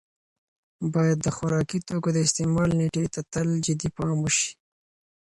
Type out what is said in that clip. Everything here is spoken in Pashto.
باید د خوراکي توکو د استعمال نېټې ته تل جدي پام وشي.